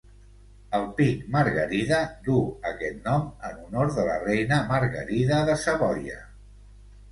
El pic Margarida duu aquest nom en honor de la reina Margarida de Savoia.